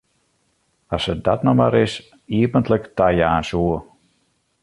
As se dat no mar ris iepentlik tajaan soe!